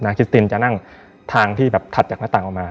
คิสตินจะนั่งทางที่แบบถัดจากหน้าต่างออกมา